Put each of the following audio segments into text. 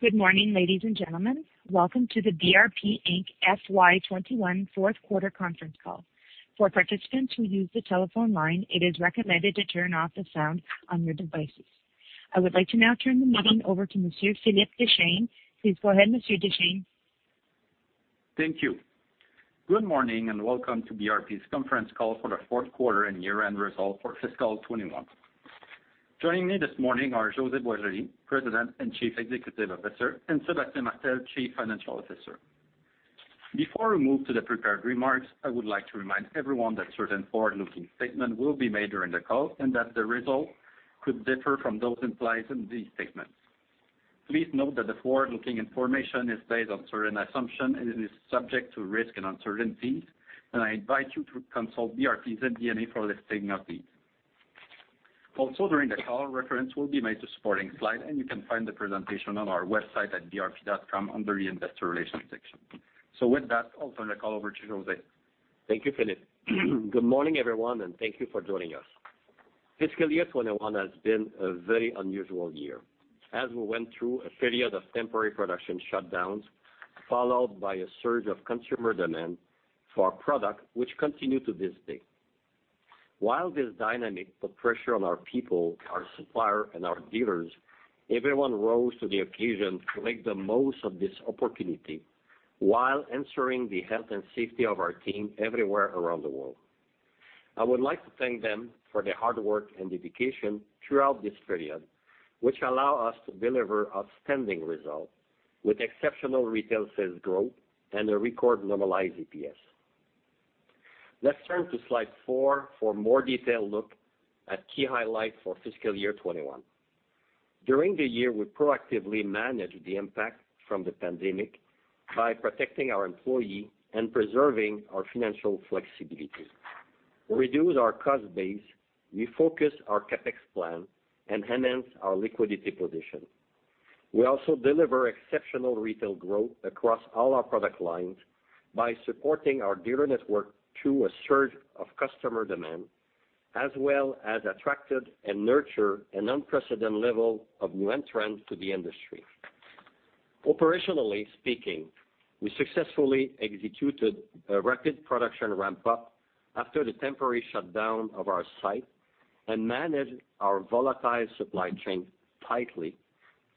Good morning, ladies and gentlemen. Welcome to the BRP Inc. FY 2021 fourth quarter conference call. I would like to now turn the meeting over to Monsieur Philippe Deschênes. Please go ahead, Monsieur Deschênes. Thank you. Good morning. Welcome to BRP's conference call for the fourth quarter and year-end results for fiscal 2021. Joining me this morning are José Boisjoli, President and Chief Executive Officer, and Sébastien Martel, Chief Financial Officer. Before we move to the prepared remarks, I would like to remind everyone that certain forward-looking statements will be made during the call and that the results could differ from those implied in these statements. Please note that the forward-looking information is based on certain assumptions and it is subject to risks and uncertainties. I invite you to consult BRP's MD&A for a listing of these. During the call, reference will be made to supporting slides. You can find the presentation on our website at brp.com under the investor relations section. With that, I'll turn the call over to José. Thank you, Philippe. Good morning, everyone, and thank you for joining us. Fiscal year 2021 has been a very unusual year, as we went through a period of temporary production shutdowns, followed by a surge of consumer demand for our product, which continues to this day. While this dynamic put pressure on our people, our suppliers, and our dealers, everyone rose to the occasion to make the most of this opportunity while ensuring the health and safety of our team everywhere around the world. I would like to thank them for their hard work and dedication throughout this period, which allow us to deliver outstanding results with exceptional retail sales growth and a record normalized EPS. Let's turn to slide four for a more detailed look at key highlights for fiscal year 2021. During the year, we proactively managed the impact from the pandemic by protecting our employees and preserving our financial flexibility. We reduced our cost base, refocused our CapEx plan, and enhanced our liquidity position. We also delivered exceptional retail growth across all our product lines by supporting our dealer network through a surge of customer demand, as well as attracted and nurtured an unprecedented level of new entrants to the industry. Operationally speaking, we successfully executed a rapid production ramp-up after the temporary shutdown of our site and managed our volatile supply chain tightly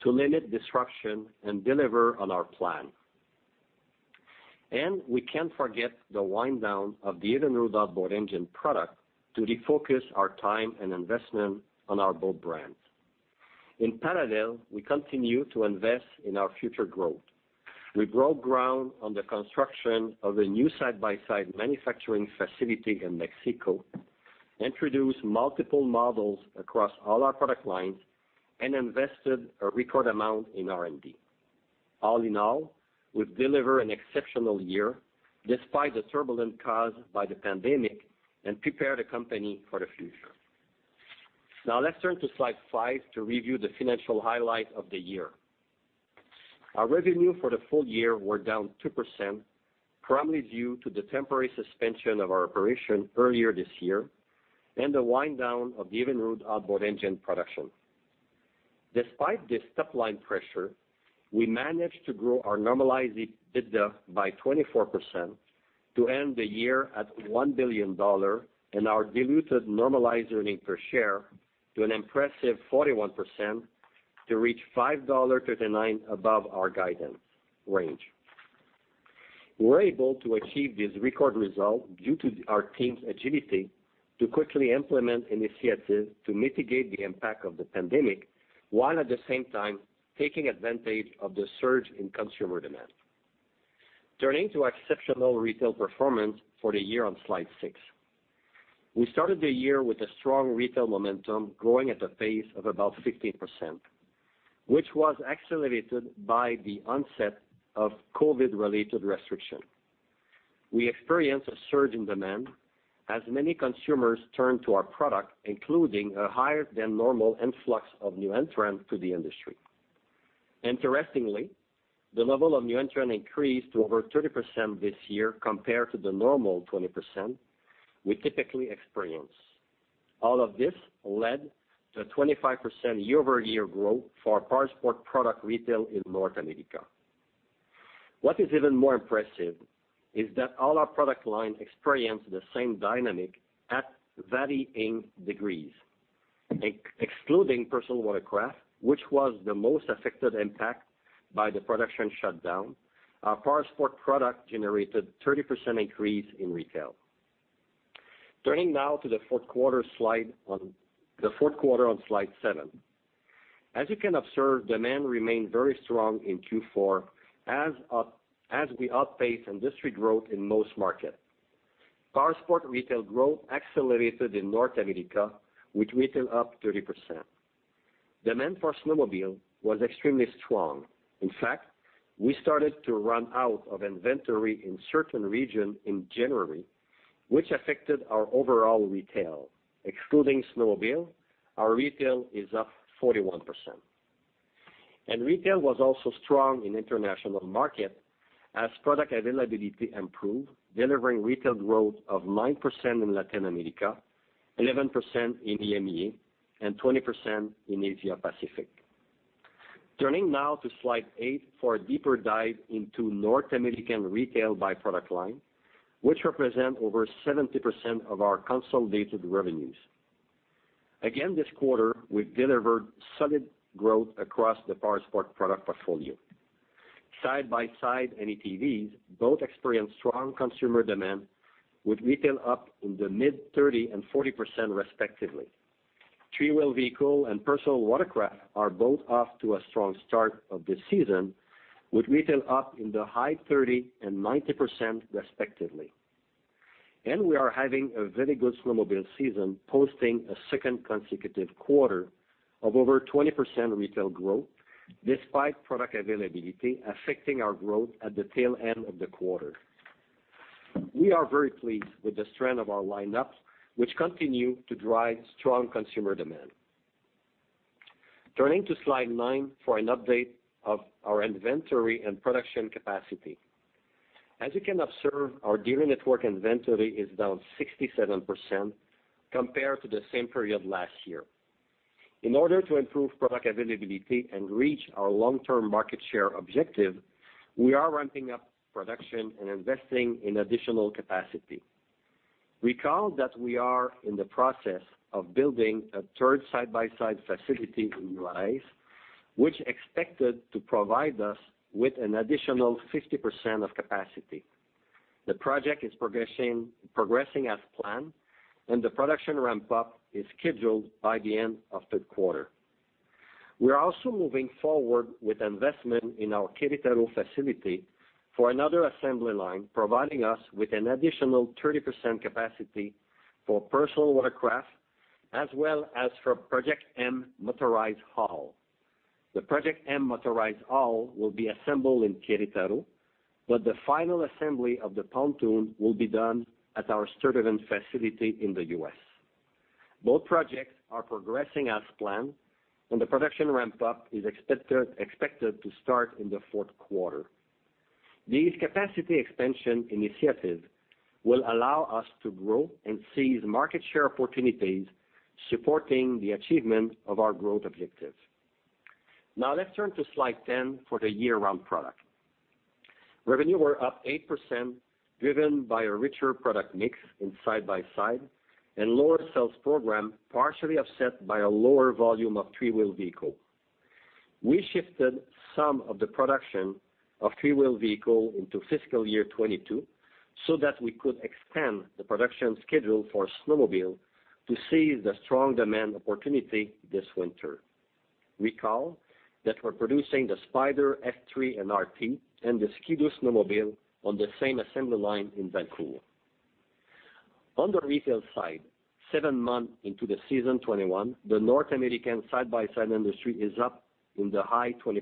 to limit disruption and deliver on our plan. We can't forget the wind-down of the Evinrude outboard engine product to refocus our time and investment on our boat brands. In parallel, we continue to invest in our future growth. We broke ground on the construction of a new side-by-side manufacturing facility in Mexico, introduced multiple models across all our product lines, and invested a record amount in R&D. All in all, we've delivered an exceptional year despite the turbulence caused by the pandemic and prepared the company for the future. Let's turn to slide five to review the financial highlights of the year. Our revenue for the full year was down 2%, primarily due to the temporary suspension of our operation earlier this year and the wind-down of the Evinrude outboard engine production. Despite this top-line pressure, we managed to grow our normalized EBITDA by 24% to end the year at 1 billion dollar and our diluted normalized earnings per share to an impressive 41% to reach 5.39 dollar above our guidance range. We were able to achieve this record result due to our team's agility to quickly implement initiatives to mitigate the impact of the pandemic, while at the same time taking advantage of the surge in consumer demand. Turning to exceptional retail performance for the year on slide six. We started the year with a strong retail momentum growing at a pace of about 15%, which was accelerated by the onset of COVID-related restriction. We experienced a surge in demand as many consumers turned to our product, including a higher than normal influx of new entrants to the industry. Interestingly, the level of new entrant increased to over 30% this year compared to the normal 20% we typically experience. All of this led to a 25% year-over-year growth for our powersport product retail in North America. What is even more impressive is that all our product line experienced the same dynamic at varying degrees. Excluding personal watercraft, which was the most affected impact by the production shutdown, our powersport product generated 30% increase in retail. Turning now to the fourth quarter on slide seven. As you can observe, demand remained very strong in Q4 as we outpaced industry growth in most markets. Powersport retail growth accelerated in North America, with retail up 30%. Demand for snowmobile was extremely strong. In fact, we started to run out of inventory in certain region in January, which affected our overall retail. Excluding snowmobile, our retail is up 41%. Retail was also strong in international markets as product availability improved, delivering retail growth of 9% in Latin America, 11% in EMEA, and 20% in Asia Pacific. Turning now to slide eight for a deeper dive into North American retail by product line, which represent over 70% of our consolidated revenues. Again, this quarter, we've delivered solid growth across the powersports product portfolio. Side-by-sides and ATVs both experienced strong consumer demand with retail up in the mid-30% and 40% respectively. 3-wheel vehicle and personal watercraft are both off to a strong start of this season, with retail up in the high-30% and 90% respectively. We are having a very good snowmobile season, posting a second consecutive quarter of over 20% retail growth despite product availability affecting our growth at the tail end of the quarter. We are very pleased with the strength of our lineups, which continue to drive strong consumer demand. Turning to slide nine for an update of our inventory and production capacity. As you can observe, our dealer network inventory is down 67% compared to the same period last year. In order to improve product availability and reach our long-term market share objective, we are ramping up production and investing in additional capacity. Recall that we are in the process of building a third side-by-side facility in Juárez, which expected to provide us with an additional 50% of capacity. The project is progressing as planned, the production ramp-up is scheduled by the end of third quarter. We are also moving forward with investment in our Querétaro facility for another assembly line, providing us with an additional 30% capacity for personal watercraft, as well as for Project M motorized hull. The Project M motorized hull will be assembled in Querétaro, the final assembly of the pontoon will be done at our Sturtevant facility in the U.S. Both projects are progressing as planned. The production ramp-up is expected to start in the fourth quarter. These capacity expansion initiatives will allow us to grow and seize market share opportunities, supporting the achievement of our growth objectives. Let's turn to slide 10 for the year-round product. Revenue were up 8%, driven by a richer product mix in side-by-side and lower sales program, partially offset by a lower volume of three-wheel vehicle. We shifted some of the production of three-wheel vehicle into fiscal year 2022, so that we could extend the production schedule for snowmobile to seize the strong demand opportunity this winter. Recall that we're producing the Spyder F3 and RT and the Ski-Doo snowmobile on the same assembly line in Valcourt. On the retail side, seven months into the season 2021, the North American side-by-side industry is up in the high 20%.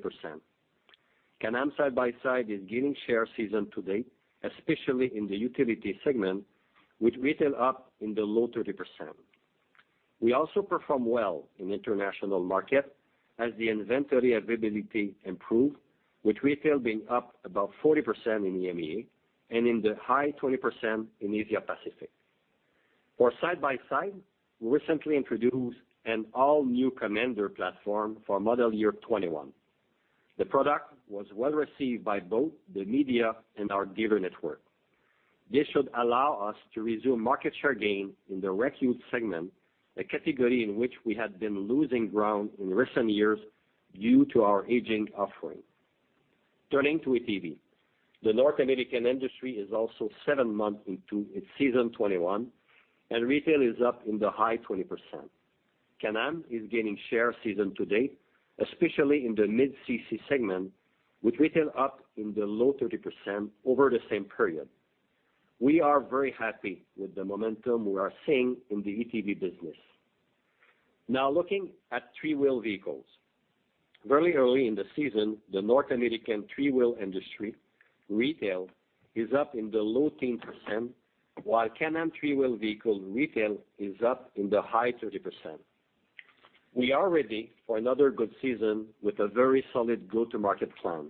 Can-Am side-by-side is gaining share season to date, especially in the utility segment, with retail up in the low 30%. We also perform well in international market as the inventory availability improve, with retail being up about 40% in EMEA and in the high 20% in Asia Pacific. For side-by-side, we recently introduced an all-new Commander platform for model year 2021. The product was well received by both the media and our dealer network. This should allow us to resume market share gain in the Rec-Ute segment, a category in which we had been losing ground in recent years due to our aging offering. Turning to ATV. The North American industry is also seven months into its season 2021, retail is up in the high 20%. Can-Am is gaining share season to date, especially in the mid-cc segment, with retail up in the low 30% over the same period. We are very happy with the momentum we are seeing in the ATV business. Now looking at three-wheel vehicles. Very early in the season, the North American three-wheel industry retail is up in the low teens%, while Can-Am three-wheel vehicle retail is up in the high 30%. We are ready for another good season with a very solid go-to-market plan.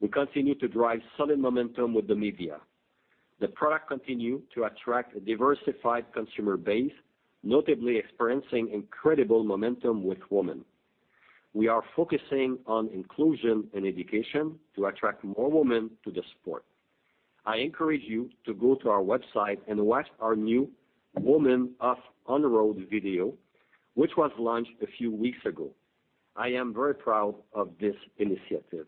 We continue to drive solid momentum with the media. The product continue to attract a diversified consumer base, notably experiencing incredible momentum with women. We are focusing on inclusion and education to attract more women to the sport. I encourage you to go to our website and watch our new Women of On-Road video, which was launched a few weeks ago. I am very proud of this initiative.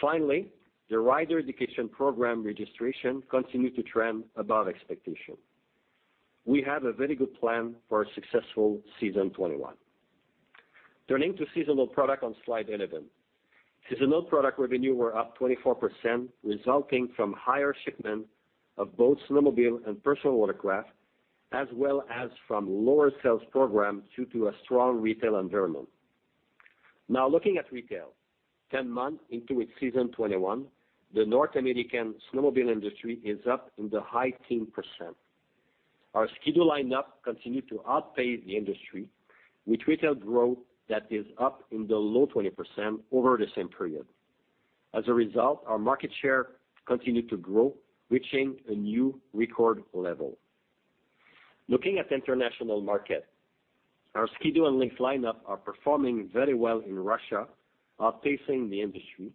Finally, the Rider Education Program registration continued to trend above expectation. We have a very good plan for a successful season 2021. Turning to seasonal product on slide 11. Seasonal product revenue were up 24%, resulting from higher shipment of both snowmobile and personal watercraft, as well as from lower sales program due to a strong retail environment. Now looking at retail. 10 months into its season 2021, the North American snowmobile industry is up in the high teen %. Our Ski-Doo lineup continued to outpace the industry with retail growth that is up in the low 20% over the same period. As a result, our market share continued to grow, reaching a new record level. Looking at the international market, our Ski-Doo and Lynx lineup are performing very well in Russia, outpacing the industry,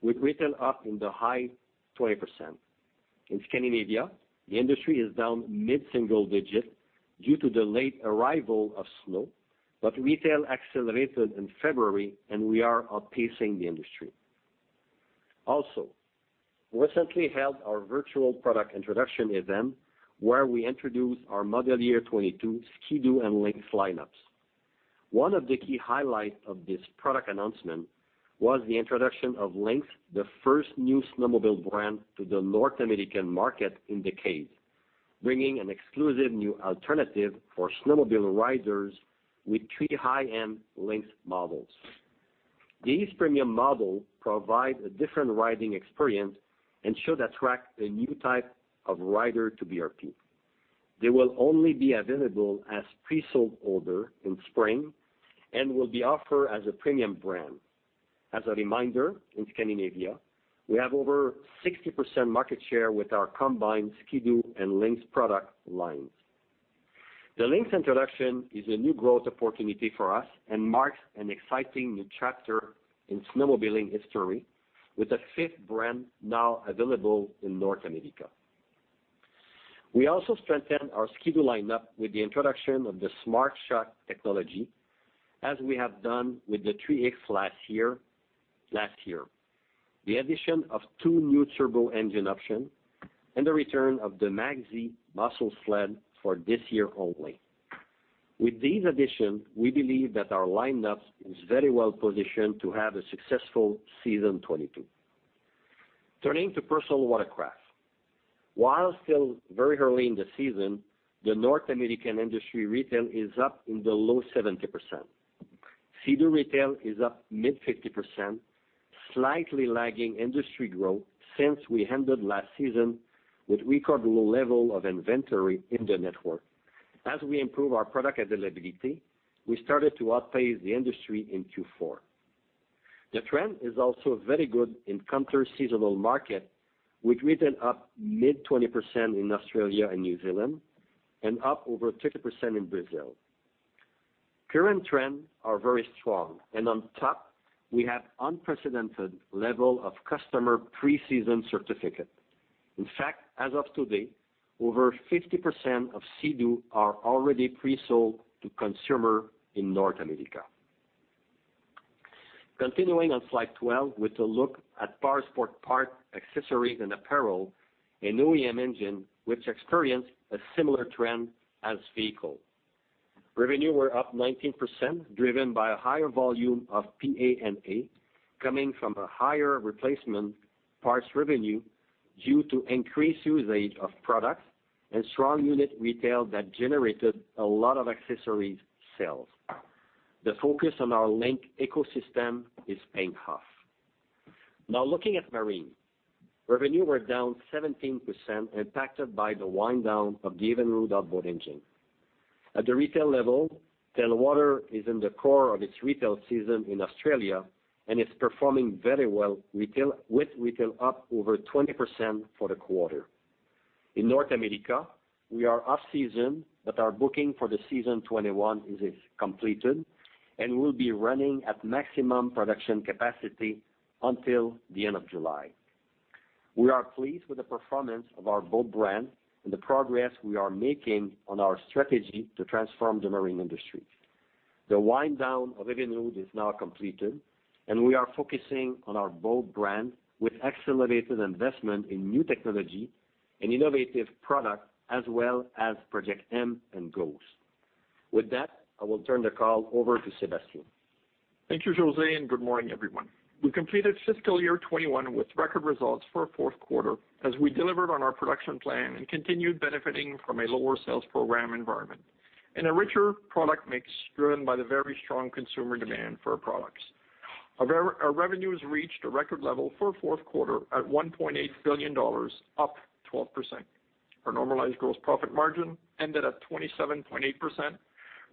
with retail up in the high 20%. In Scandinavia, the industry is down mid-single digits due to the late arrival of snow, but retail accelerated in February and we are outpacing the industry. We recently held our virtual product introduction event where we introduced our model year 22 Ski-Doo and Lynx lineups. One of the key highlights of this product announcement was the introduction of Lynx, the first new snowmobile brand to the North American market in decades, bringing an exclusive new alternative for snowmobile riders with three high-end Lynx models. These premium models provide a different riding experience and should attract a new type of rider to BRP. They will only be available as pre-sold orders in spring and will be offered as a premium brand. As a reminder, in Scandinavia, we have over 60% market share with our combined Ski-Doo and Lynx product lines. The Lynx introduction is a new growth opportunity for us and marks an exciting new chapter in snowmobiling history, with a fifth brand now available in North America. We also strengthened our Ski-Doo lineup with the introduction of the Smart-Shox technology, as we have done with the Trixx last year. The addition of two new turbo engine options and the return of the Mach Z muscle sled for this year only. With these additions, we believe that our lineup is very well positioned to have a successful season 2022. Turning to personal watercraft. While still very early in the season, the North American industry retail is up in the low 70%. Sea-Doo retail is up mid-50%, slightly lagging industry growth since we ended last season with record low level of inventory in the network. As we improve our product availability, we started to outpace the industry in Q4. The trend is also very good in counter-seasonal markets, with retail up mid-20% in Australia and New Zealand and up over 30% in Brazil. Current trends are very strong, and on top, we have unprecedented level of customer preseason certificates. In fact, as of today, over 50% of Sea-Doos are already pre-sold to consumers in North America. Continuing on slide 12 with a look at Powersport parts, accessories, and apparel in OEM engine, which experienced a similar trend as vehicles. Revenue was up 19%, driven by a higher volume of PA&A coming from a higher replacement parts revenue due to increased usage of products and strong unit retail that generated a lot of accessories sales. The focus on our linked ecosystem is paying off. Now looking at Marine. Revenue was down 17%, impacted by the wind-down of the Evinrude outboard engine. At the retail level, Telwater is in the core of its retail season in Australia and is performing very well with retail up over 20% for the quarter. In North America, we are off-season, but our booking for the season 2021 is completed, and we'll be running at maximum production capacity until the end of July. We are pleased with the performance of our boat brand and the progress we are making on our strategy to transform the marine industry. The wind-down of Evinrude is now completed, and we are focusing on our boat brand with accelerated investment in new technology and innovative products as well as Project M and Project Ghost. With that, I will turn the call over to Sébastien. Thank you, José, and good morning, everyone. We completed fiscal year 2021 with record results for our fourth quarter as we delivered on our production plan and continued benefiting from a lower sales program environment and a richer product mix driven by the very strong consumer demand for our products. Our revenues reached a record level for our fourth quarter at 1.8 billion dollars, up 12%. Our normalized gross profit margin ended at 27.8%,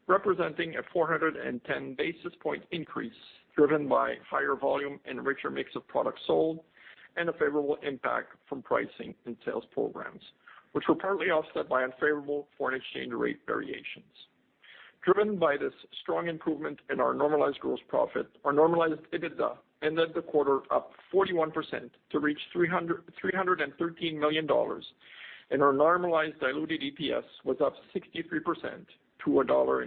representing a 410 basis point increase, driven by higher volume and richer mix of products sold and a favorable impact from pricing and sales programs, which were partly offset by unfavorable foreign exchange rate variations. Driven by this strong improvement in our normalized gross profit, our normalized EBITDA ended the quarter up 41% to reach 313 million dollars, and our normalized diluted EPS was up 63% to 1.82 dollar.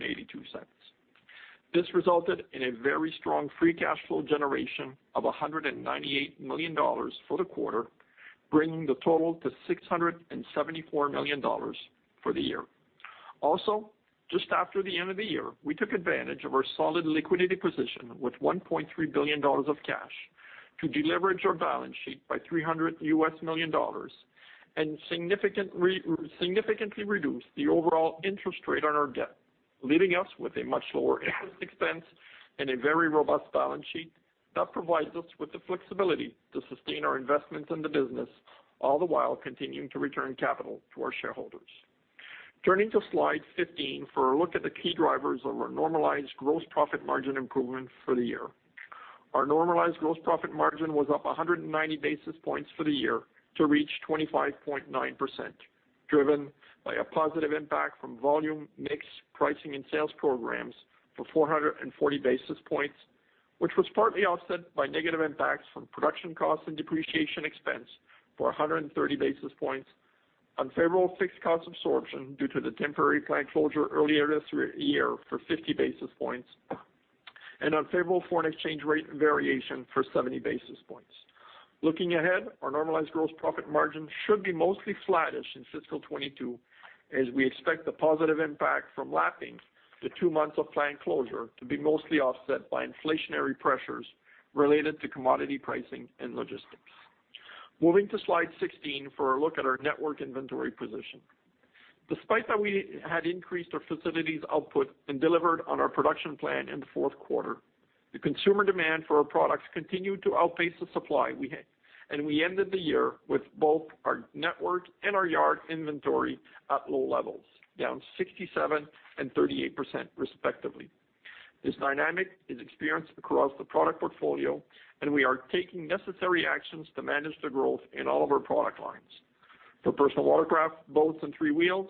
This resulted in a very strong free cash flow generation of 198 million dollars for the quarter, bringing the total to 674 million dollars for the year. Also, just after the end of the year, we took advantage of our solid liquidity position with 1.3 billion dollars of cash to deleverage our balance sheet by 300 million dollars and significantly reduce the overall interest rate on our debt, leaving us with a much lower interest expense and a very robust balance sheet that provides us with the flexibility to sustain our investments in the business, all the while continuing to return capital to our shareholders. Turning to slide 15 for a look at the key drivers of our normalized gross profit margin improvement for the year. Our normalized gross profit margin was up 190 basis points for the year to reach 25.9%, driven by a positive impact from volume mix pricing and sales programs for 440 basis points, which was partly offset by negative impacts from production costs and depreciation expense for 130 basis points, unfavorable fixed cost absorption due to the temporary plant closure earlier this year for 50 basis points, and unfavorable foreign exchange rate variation for 70 basis points. Looking ahead, our normalized gross profit margin should be mostly flattish in fiscal 2022, as we expect the positive impact from lapping the two months of plant closure to be mostly offset by inflationary pressures related to commodity pricing and logistics. Moving to slide 16 for a look at our network inventory position. Despite that we had increased our facilities output and delivered on our production plan in the fourth quarter, the consumer demand for our products continued to outpace the supply we had. We ended the year with both our network and our yard inventory at low levels, down 67% and 38% respectively. This dynamic is experienced across the product portfolio. We are taking necessary actions to manage the growth in all of our product lines. For personal watercraft, boats, and 3-wheel,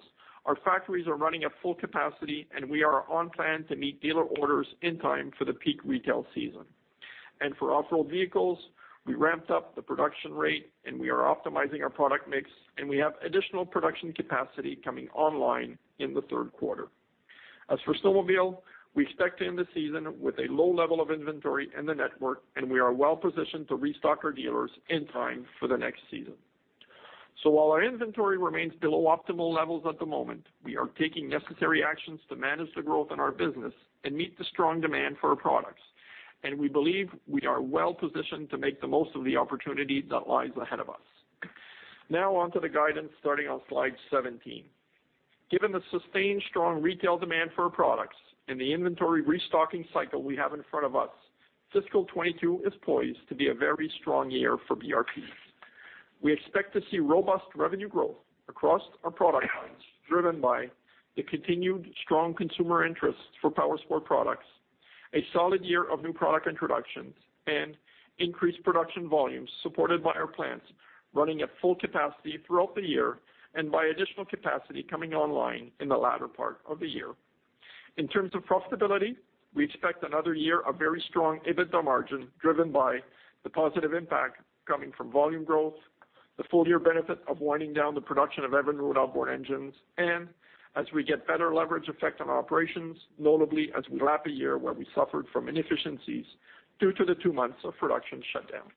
our factories are running at full capacity. We are on plan to meet dealer orders in time for the peak retail season. For off-road vehicles, we ramped up the production rate. We are optimizing our product mix. We have additional production capacity coming online in the third quarter. As for snowmobile, we expect to end the season with a low level of inventory in the network, we are well-positioned to restock our dealers in time for the next season. While our inventory remains below optimal levels at the moment, we are taking necessary actions to manage the growth in our business and meet the strong demand for our products. We believe we are well-positioned to make the most of the opportunity that lies ahead of us. Now on to the guidance starting on slide 17. Given the sustained strong retail demand for our products and the inventory restocking cycle we have in front of us, fiscal 2022 is poised to be a very strong year for BRP. We expect to see robust revenue growth across our powersports products, driven by the continued strong consumer interest for powersports products, a solid year of new product introductions, and increased production volumes supported by our plants running at full capacity throughout the year and by additional capacity coming online in the latter part of the year. In terms of profitability, we expect another year of very strong EBITDA margin driven by the positive impact coming from volume growth, the full-year benefit of winding down the production of Evinrude outboard engines, and as we get better leverage effect on operations, notably as we lap a year where we suffered from inefficiencies due to the two months of production shutdown.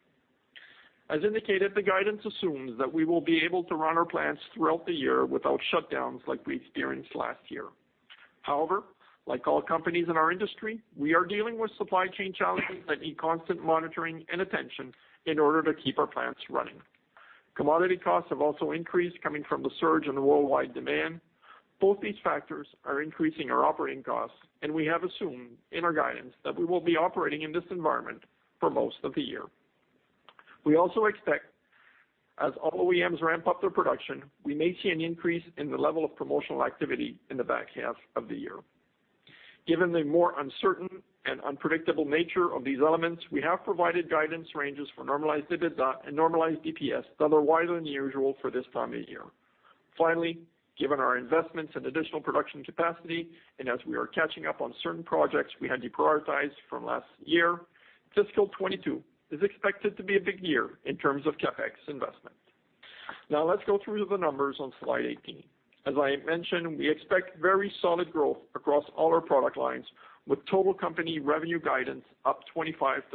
As indicated, the guidance assumes that we will be able to run our plants throughout the year without shutdowns like we experienced last year. However, like all companies in our industry, we are dealing with supply chain challenges that need constant monitoring and attention in order to keep our plants running. Commodity costs have also increased coming from the surge in the worldwide demand. Both these factors are increasing our operating costs, and we have assumed in our guidance that we will be operating in this environment for most of the year. We also expect, as all OEMs ramp up their production, we may see an increase in the level of promotional activity in the back half of the year. Given the more uncertain and unpredictable nature of these elements, we have provided guidance ranges for normalized EBITDA and normalized EPS that are wider than usual for this time of year. Given our investments in additional production capacity and as we are catching up on certain projects we had deprioritized from last year, fiscal 2022 is expected to be a big year in terms of CapEx investment. Let's go through the numbers on slide 18. As I mentioned, we expect very solid growth across all our product lines, with total company revenue guidance up 25%-30%.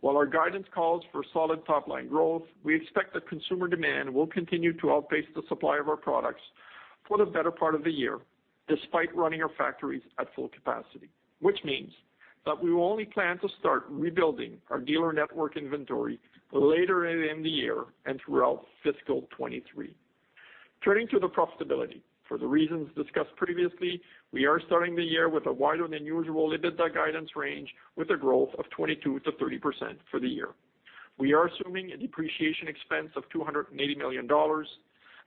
While our guidance calls for solid top-line growth, we expect that consumer demand will continue to outpace the supply of our products for the better part of the year, despite running our factories at full capacity, which means that we will only plan to start rebuilding our dealer network inventory later in the year and throughout fiscal 2023. Turning to the profitability, for the reasons discussed previously, we are starting the year with a wider than usual EBITDA guidance range with a growth of 22%-30% for the year. We are assuming a depreciation expense of 280 million dollars,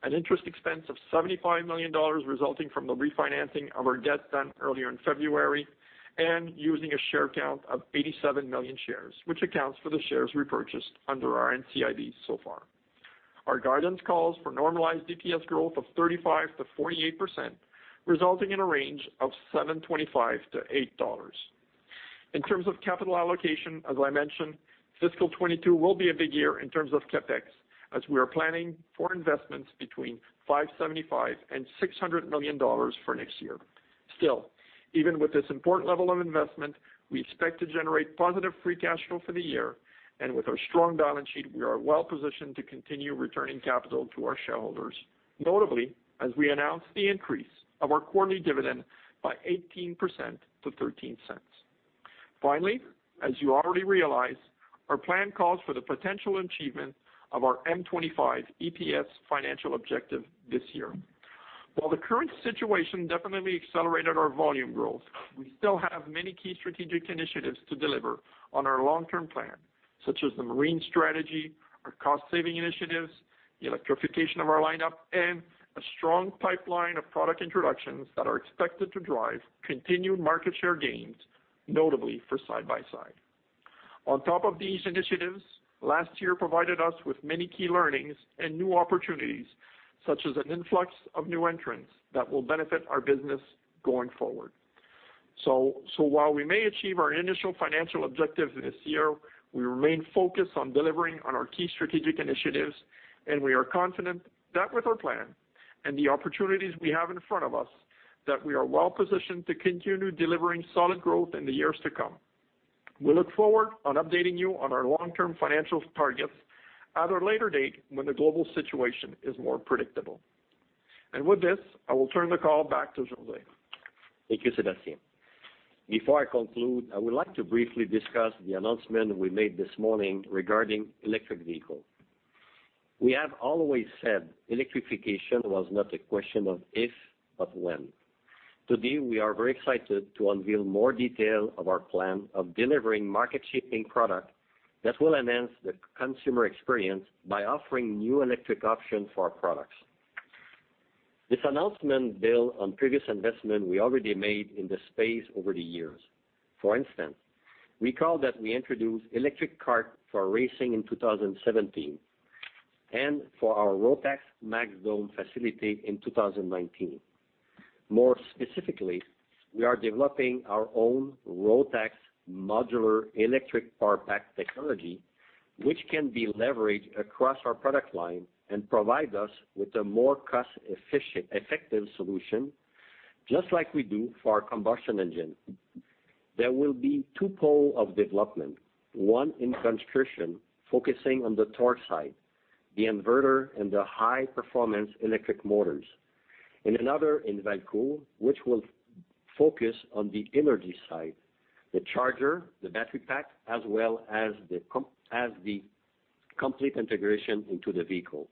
an interest expense of 75 million dollars resulting from the refinancing of our debt done earlier in February, and using a share count of 87 million shares, which accounts for the shares repurchased under our NCIB so far. Our guidance calls for normalized EPS growth of 35%-48%, resulting in a range of 7.25-8 dollars. In terms of capital allocation, as I mentioned, fiscal 2022 will be a big year in terms of CapEx, as we are planning for investments between 575 million and 600 million dollars for next year. Even with this important level of investment, we expect to generate positive free cash flow for the year. With our strong balance sheet, we are well-positioned to continue returning capital to our shareholders, notably as we announce the increase of our quarterly dividend by 18% to 0.13. Finally, as you already realize, our plan calls for the potential achievement of our M25 EPS financial objective this year. While the current situation definitely accelerated our volume growth, we still have many key strategic initiatives to deliver on our long-term plan, such as the marine strategy, our cost-saving initiatives, the electrification of our lineup, and a strong pipeline of product introductions that are expected to drive continued market share gains, notably for side-by-side. On top of these initiatives, last year provided us with many key learnings and new opportunities, such as an influx of new entrants that will benefit our business going forward. While we may achieve our initial financial objectives this year, we remain focused on delivering on our key strategic initiatives, and we are confident that with our plan and the opportunities we have in front of us, that we are well positioned to continue delivering solid growth in the years to come. We look forward to updating you on our long-term financial targets at a later date when the global situation is more predictable. With this, I will turn the call back to José. Thank you, Sébastien. Before I conclude, I would like to briefly discuss the announcement we made this morning regarding electric vehicles. We have always said electrification was not a question of if, but when. Today, we are very excited to unveil more detail of our plan of delivering market-shifting product that will enhance the consumer experience by offering new electric options for our products. This announcement builds on previous investment we already made in this space over the years. For instance, recall that we introduced electric kart for racing in 2017 and for our Rotax MAX Dome facility in 2019. More specifically, we are developing our own Rotax modular electric powertrain technology, which can be leveraged across our product line and provide us with a more cost-effective solution, just like we do for our combustion engine There will be two poles of development, one in Austria focusing on the torque side, the inverter, and the high-performance electric motors, and another in Valcourt, which will focus on the energy side, the charger, the battery pack, as well as the complete integration into the vehicle.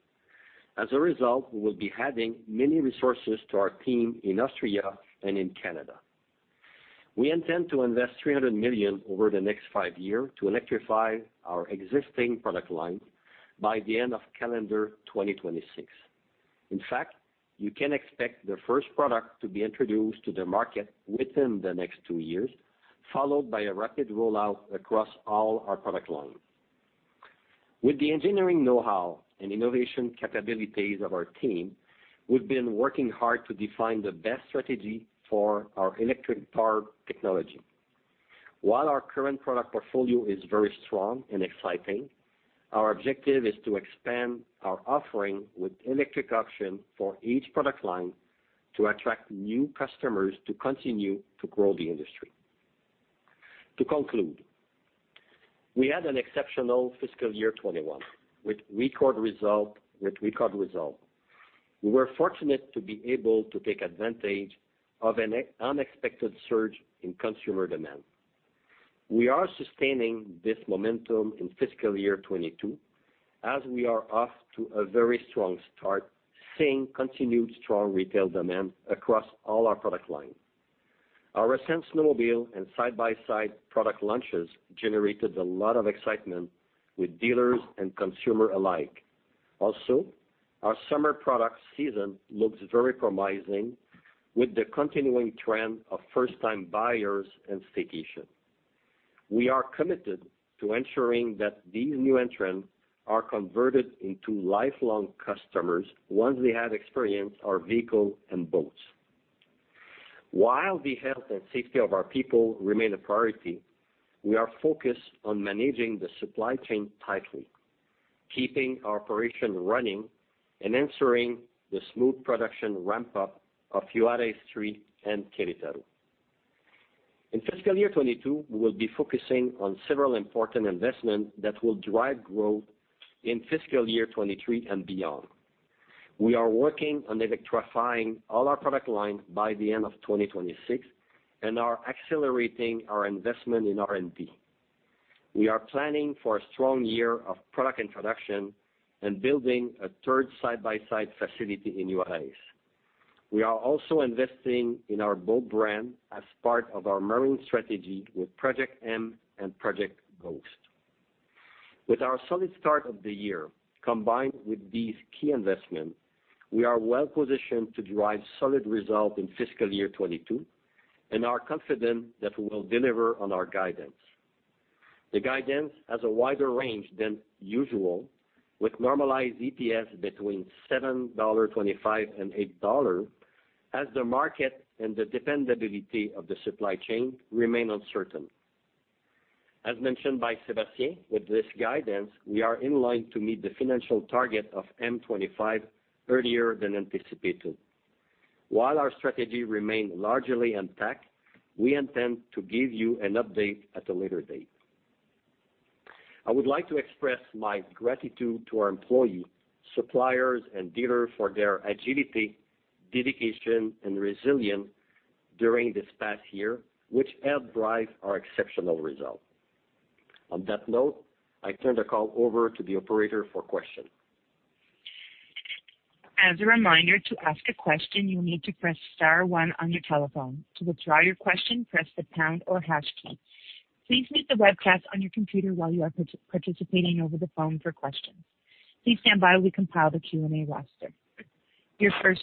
As a result, we will be adding many resources to our team in Austria and in Canada. We intend to invest 300 million over the next five years to electrify our existing product line by the end of calendar 2026. In fact, you can expect the first product to be introduced to the market within the next two years, followed by a rapid rollout across all our product lines. With the engineering knowhow and innovation capabilities of our team, we've been working hard to define the best strategy for our electric power technology. While our current product portfolio is very strong and exciting, our objective is to expand our offering with electric option for each product line to attract new customers to continue to grow the industry. To conclude, we had an exceptional fiscal year 2021 with record results. We were fortunate to be able to take advantage of an unexpected surge in consumer demand. We are sustaining this momentum in fiscal year 2022 as we are off to a very strong start, seeing continued strong retail demand across all our product lines. Our recent snowmobile and side-by-side product launches generated a lot of excitement with dealers and consumer alike. Our summer product season looks very promising with the continuing trend of first-time buyers and staycation. We are committed to ensuring that these new entrants are converted into lifelong customers once they have experienced our vehicles and boats. While the health and safety of our people remain a priority, we are focused on managing the supply chain tightly, keeping our operation running, and ensuring the smooth production ramp-up of Juarez 3 and Querétaro. In fiscal year 2022, we will be focusing on several important investments that will drive growth in fiscal year 2023 and beyond. We are working on electrifying all our product lines by the end of 2026 and are accelerating our investment in R&D. We are planning for a strong year of product introduction and building a third side-by-side facility in Juárez. We are also investing in our boat brand as part of our marine strategy with Project M and Project Ghost. With our solid start of the year, combined with these key investments, we are well positioned to drive solid results in fiscal year 2022 and are confident that we will deliver on our guidance. The guidance has a wider range than usual, with normalized EPS between 7.25 dollars and 8 dollars as the market and the dependability of the supply chain remain uncertain. As mentioned by Sébastien, with this guidance, we are in line to meet the financial target of M25 earlier than anticipated. While our strategy remains largely intact, we intend to give you an update at a later date. I would like to express my gratitude to our employees, suppliers, and dealers for their agility, dedication, and resilience during this past year, which helped drive our exceptional results. On that note, I turn the call over to the operator for questions. Your first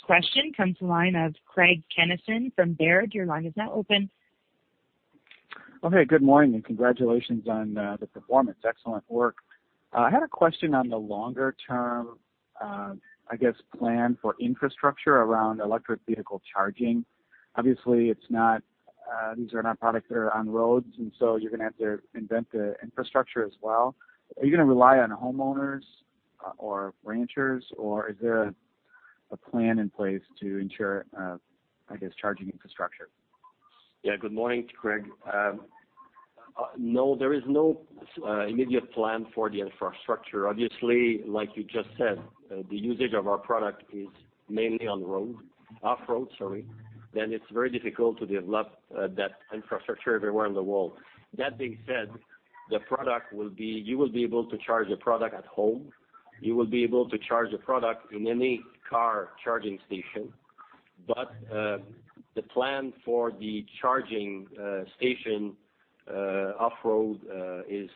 question comes to the line of Craig Kennison from Baird. Your line is now open. Good morning. Congratulations on the performance. Excellent work. I had a question on the longer-term, I guess, plan for infrastructure around electric vehicle charging. Obviously, these are not products that are on roads, so you're going to have to invent the infrastructure as well. Are you going to rely on homeowners or ranchers, or is there a plan in place to ensure, I guess, charging infrastructure? Yeah. Good morning, Craig. No, there is no immediate plan for the infrastructure. Obviously, like you just said, the usage of our product is mainly off-road. It's very difficult to develop that infrastructure everywhere in the world. That being said, you will be able to charge the product at home. You will be able to charge the product in any car charging station. The plan for the charging station off-road is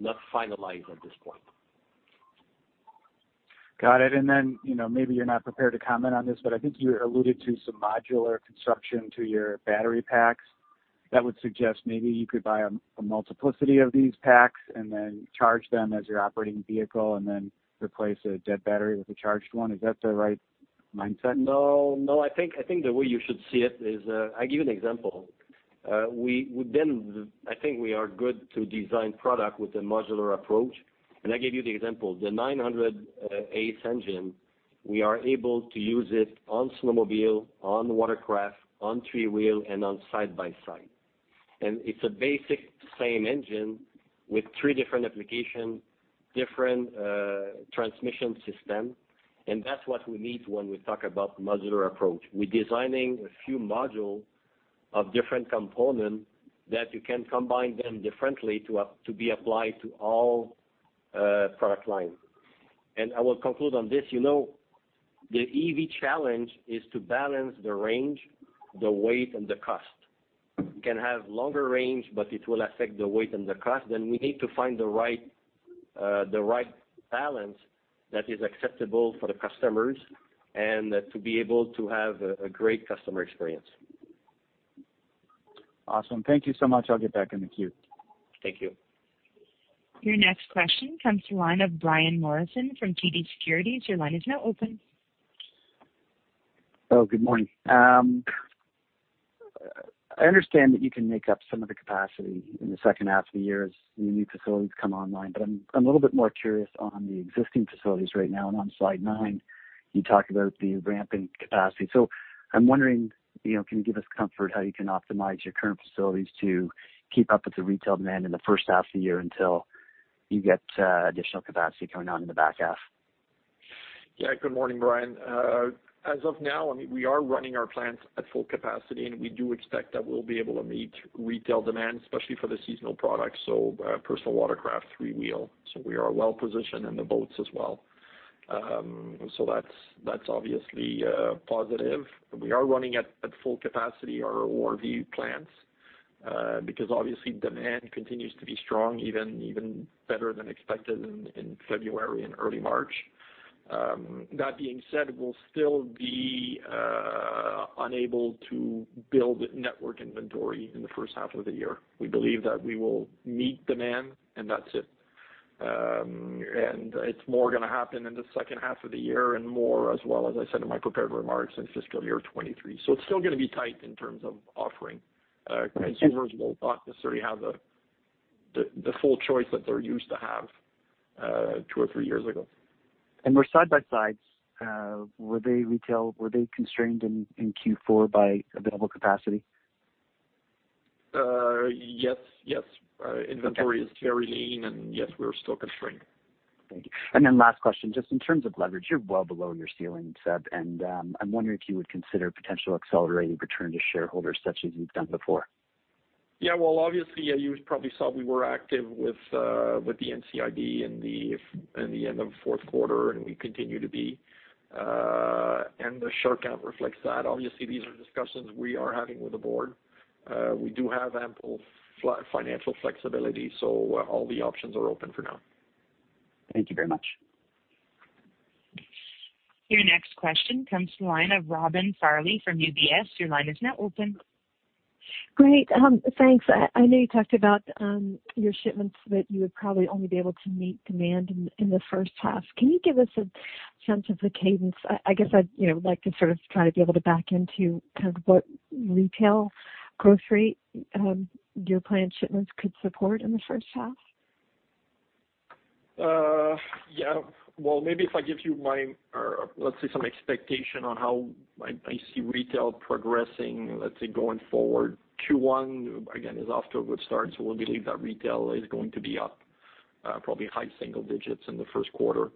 not finalized at this point. Got it. Maybe you're not prepared to comment on this, but I think you alluded to some modular construction to your battery packs. That would suggest maybe you could buy a multiplicity of these packs and then charge them as you're operating the vehicle and then replace a dead battery with a charged one. Is that the right mindset? No. I think the way you should see it is, I'll give you an example. I think we are good to design product with a modular approach, and I gave you the example. The 900 ACE engine, we are able to use it on snowmobile, on watercraft, on 3-wheel, and on side-by-side. It's a basic same engine with three different application, different transmission system, and that's what we need when we talk about modular approach. We're designing a few module of different component that you can combine them differently to be applied to all product line. I will conclude on this. The EV challenge is to balance the range, the weight, and the cost. You can have longer range, but it will affect the weight and the cost, then we need to find the right balance that is acceptable for the customers and to be able to have a great customer experience. Awesome. Thank you so much. I'll get back in the queue. Thank you. Your next question comes to the line of Brian Morrison from TD Securities. Your line is now open. Good morning. I understand that you can make up some of the capacity in the second half of the year as the new facilities come online. I'm a little bit more curious on the existing facilities right now. On slide nine, you talk about the ramping capacity. I'm wondering, can you give us comfort how you can optimize your current facilities to keep up with the retail demand in the first half of the year until you get additional capacity coming on in the back half? Good morning, Brian. As of now, we are running our plants at full capacity, and we do expect that we'll be able to meet retail demand, especially for the seasonal products, so personal watercraft, 3-wheel. We are well positioned in the boats as well. That's obviously positive. We are running at full capacity our ORV plants, because obviously demand continues to be strong, even better than expected in February and early March. That being said, we'll still be unable to build network inventory in the first half of the year. We believe that we will meet demand, and that's it. It's more going to happen in the second half of the year and more as well, as I said in my prepared remarks, in fiscal year 2023. It's still going to be tight in terms of offering. Consumers will not necessarily have the full choice that they used to have two or three years ago. Were side-by-sides, were they constrained in Q4 by available capacity? Yes. Inventory is very lean, and yes, we're still constrained. Thank you. Last question, just in terms of leverage, you're well below your ceiling, Seb, and I'm wondering if you would consider potential accelerated return to shareholders such as you've done before. Yeah. Well, obviously, you probably saw we were active with the NCIB in the end of fourth quarter, and we continue to be. The share count reflects that. Obviously, these are discussions we are having with the board. We do have ample financial flexibility, so all the options are open for now. Thank you very much. Your next question comes from the line of Robin Farley from UBS. Your line is now open. Great. Thanks. I know you talked about your shipments that you would probably only be able to meet demand in the first half. Can you give us a sense of the cadence? I guess I'd like to sort of try to be able to back into kind of what retail growth rate your planned shipments could support in the first half. Yeah. Well, maybe if I give you my, or let's say, some expectation on how I see retail progressing, let's say, going forward. Q1, again, is off to a good start. We believe that retail is going to be up probably high single digits in the first quarter.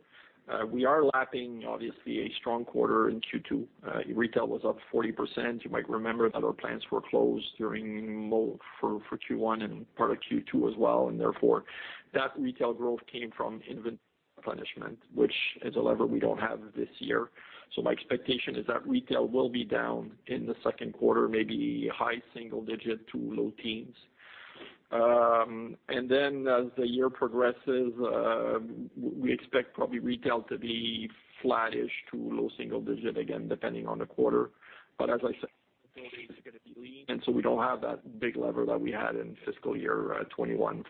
We are lapping, obviously, a strong quarter in Q2. Retail was up 40%. You might remember that our plants were closed during for Q1 and part of Q2 as well. Therefore, that retail growth came from inventory replenishment, which is a lever we don't have this year. My expectation is that retail will be down in the second quarter, maybe high single digit to low teens. As the year progresses, we expect probably retail to be flattish to low single digit again, depending on the quarter. As I said, we don't have that big lever that we had in fiscal year 2021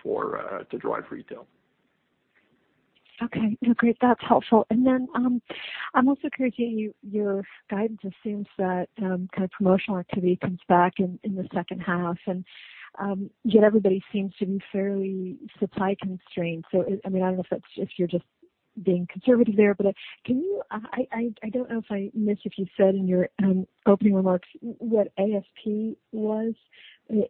to drive retail. Okay. No, great. That's helpful. I'm also curious, your guidance assumes that promotional activity comes back in the second half, and yet everybody seems to be fairly supply constrained. I don't know if you're just being conservative there, but I don't know if I missed, if you said in your opening remarks what ASP was in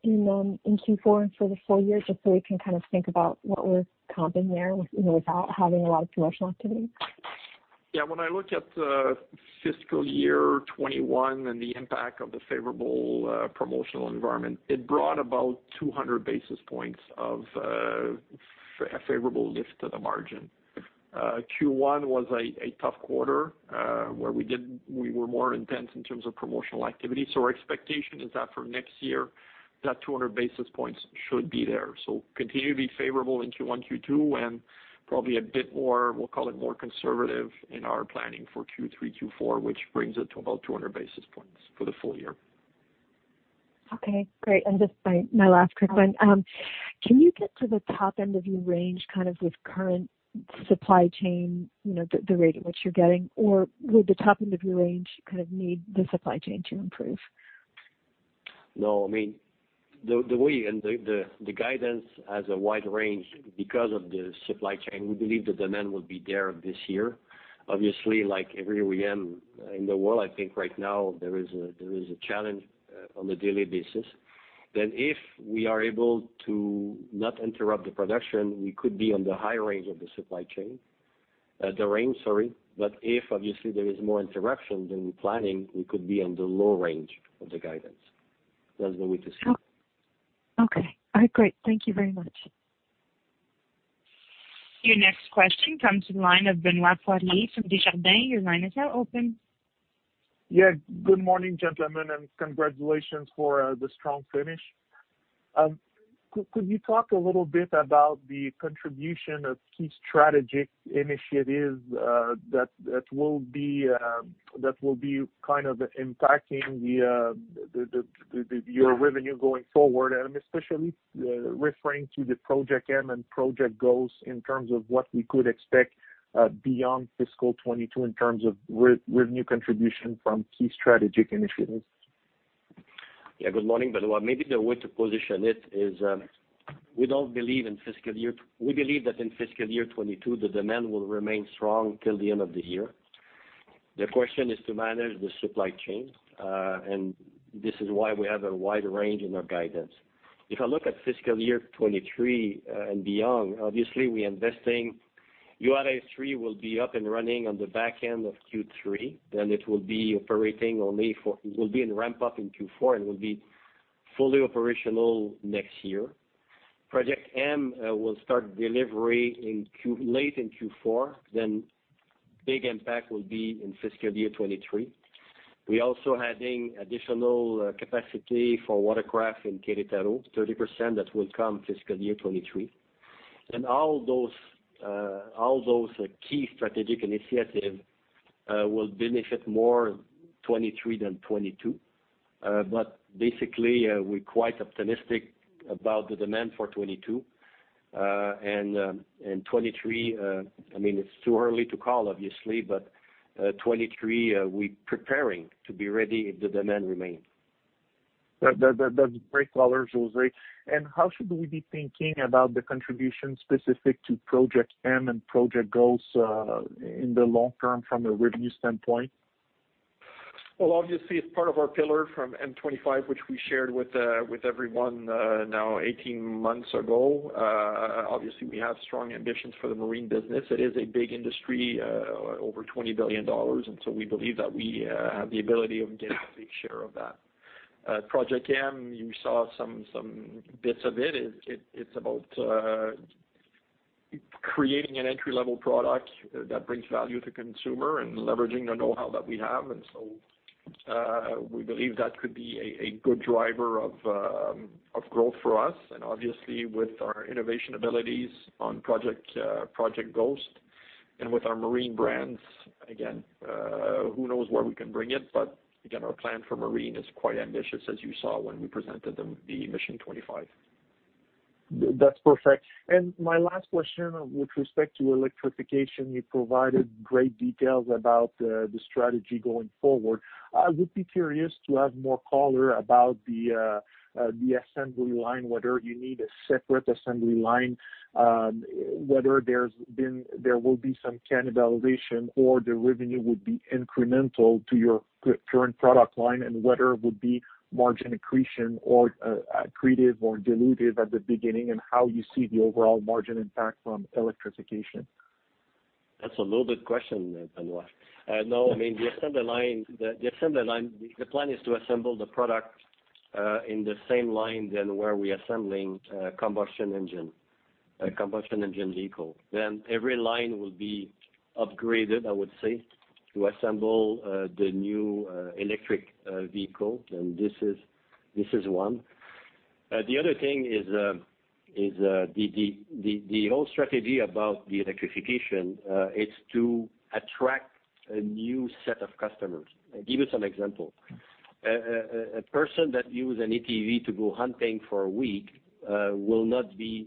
Q4 and for the full year, just so we can think about what we're comping there without having a lot of promotional activity. Yeah. When I look at fiscal year 2021 and the impact of the favorable promotional environment, it brought about 200 basis points of a favorable lift to the margin. Q1 was a tough quarter, where we were more intense in terms of promotional activity. Our expectation is that for next year, that 200 basis points should be there. Continue to be favorable in Q1, Q2, and probably a bit more, we'll call it more conservative in our planning for Q3, Q4, which brings it to about 200 basis points for the full year. Okay, great. Just my last quick one. Can you get to the top end of your range with current supply chain, the rate at which you're getting, or would the top end of your range need the supply chain to improve? No, the guidance has a wide range because of the supply chain. We believe the demand will be there this year. Obviously, like everywhere in the world, I think right now there is a challenge on a daily basis. If we are able to not interrupt the production, we could be on the high range of the supply chain. The range, sorry. If obviously there is more interruption than we're planning, we could be on the low range of the guidance. That's the way to see it. Okay. All right, great. Thank you very much. Your next question comes in line of Benoit Poirier from Desjardins. Your line is now open. Good morning, gentlemen, and congratulations for the strong finish. Could you talk a little bit about the contribution of key strategic initiatives that will be impacting your revenue going forward? Especially referring to the Project M and Project Ghost in terms of what we could expect, beyond FY 2022 in terms of revenue contribution from key strategic initiatives. Yeah, good morning, Benoit. Maybe the way to position it is, we believe that in fiscal year 2022, the demand will remain strong until the end of the year. The question is to manage the supply chain, and this is why we have a wide range in our guidance. If I look at fiscal year 2023 and beyond, obviously we're investing. Juarez 3 will be up and running on the back end of Q3, then it will be in ramp-up in Q4 and will be fully operational next year. Project M will start delivery late in Q4, then big impact will be in fiscal year 2023. We're also adding additional capacity for watercraft in Querétaro, 30% that will come fiscal year 2023. All those key strategic initiatives will benefit more 2023 than 2022. Basically, we're quite optimistic about the demand for 2022. 2023, it's too early to call obviously, but 2023, we're preparing to be ready if the demand remains. That's great color, José. How should we be thinking about the contribution specific to Project M and Project Ghost, in the long term from a revenue standpoint? Well, obviously it's part of our pillar from M25, which we shared with everyone now 18 months ago. Obviously, we have strong ambitions for the Marine business. It is a big industry, over 20 billion dollars, we believe that we have the ability of getting a big share of that. Project M, you saw some bits of it. It's about creating an entry-level product that brings value to consumer and leveraging the knowhow that we have. We believe that could be a good driver of growth for us. Obviously with our innovation abilities on Project Ghost and with our Marine brands, again, who knows where we can bring it, again, our plan for Marine is quite ambitious, as you saw when we presented the Mission 25. That's perfect. My last question with respect to electrification, you provided great details about the strategy going forward. I would be curious to have more color about the assembly line, whether you need a separate assembly line, whether there will be some cannibalization or the revenue would be incremental to your current product line, and whether it would be margin accretive or dilutive at the beginning, and how you see the overall margin impact from electrification. That's a loaded question, Benoit. No, I mean, the plan is to assemble the product in the same line than where we're assembling combustion engine. A combustion engine vehicle. Every line will be upgraded, I would say, to assemble the new electric vehicle. This is one. The other thing is the whole strategy about the electrification is to attract a new set of customers. I'll give you some example. A person that use an ATV to go hunting for a week will not be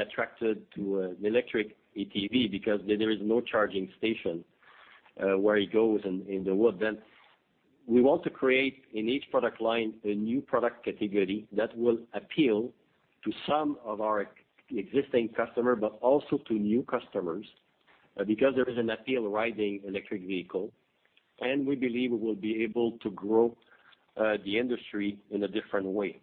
attracted to an electric ATV because there is no charging station where he goes in the woods. We want to create, in each product line, a new product category that will appeal to some of our existing customer, but also to new customers, because there is an appeal riding electric vehicle, and we believe we will be able to grow the industry in a different way.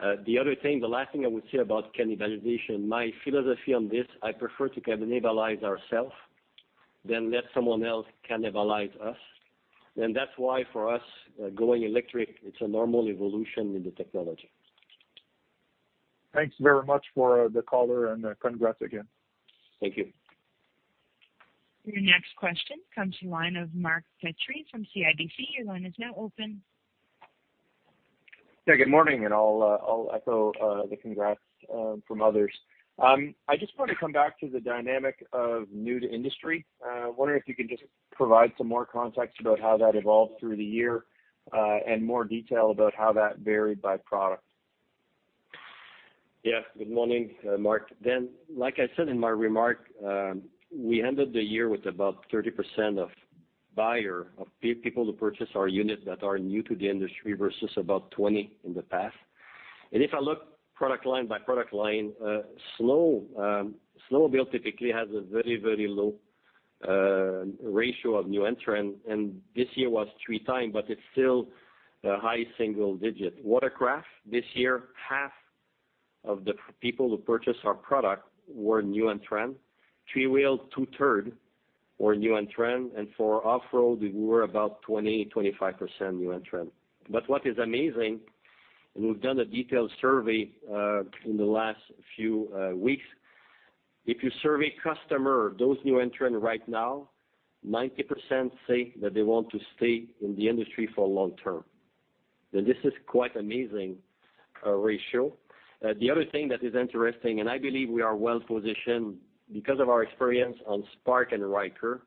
The other thing, the last thing I would say about cannibalization, my philosophy on this, I prefer to cannibalize ourself than let someone else cannibalize us. That's why for us, going electric, it's a normal evolution in the technology. Thanks very much for the color and congrats again. Thank you. Your next question comes to the line of Mark Petrie from CIBC. Your line is now open. Yeah, good morning, and I'll echo the congrats from others. I just want to come back to the dynamic of new to industry. Wondering if you could just provide some more context about how that evolved through the year, and more detail about how that varied by product. Good morning, Mark. Like I said in my remark, we ended the year with about 30% of buyer, of people who purchased our unit that are new to the industry, versus about 20% in the past. If I look product line by product line, snowmobile typically has a very, very low ratio of new entrant, and this year was three times, but it is still high single digit. Watercraft, this year, half of the people who purchased our product were new entrant. Three-wheel, two-third were new entrant, for off-road, we were about 20%, 25% new entrant. What is amazing, we have done a detailed survey in the last few weeks, if you survey customer, those new entrant right now, 90% say that they want to stay in the industry for long term. This is quite amazing ratio. The other thing that is interesting, and I believe we are well-positioned because of our experience on Spark and Ryker,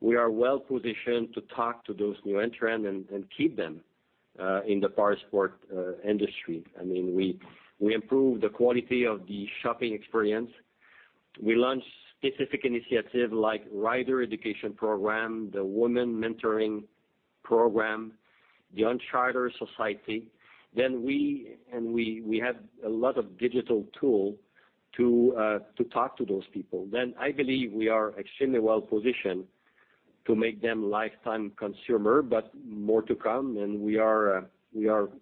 we are well-positioned to talk to those new entrant and keep them in the powersports industry. We improve the quality of the shopping experience. We launch specific initiative like Rider Education Program, the Women's Mentoring Program, the Uncharted Society. We have a lot of digital tool to talk to those people. I believe we are extremely well-positioned to make them lifetime consumer, but more to come. We are